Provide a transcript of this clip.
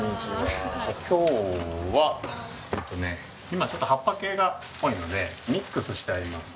今ちょっと葉っぱ系が多いのでミックスしてあります。